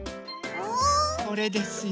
これですよ。